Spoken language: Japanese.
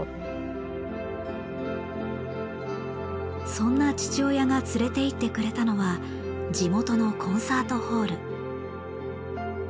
そんな父親が連れていってくれたのは地元のコンサートホール。